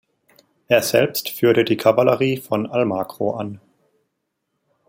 Er selbst führte die Kavallerie von Almagro an.